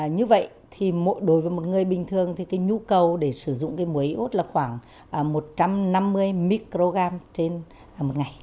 như vậy thì đối với một người bình thường thì cái nhu cầu để sử dụng cái muối út là khoảng một trăm năm mươi microgram trên một ngày